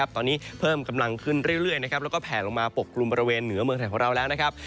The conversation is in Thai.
ตอนนี้เพิ่มกำลังขึ้นเรื่อยแล้วก็แผลลงมาปกกลุ่มบริเวณเหนือเมืองไทยของเราแล้วนะครับ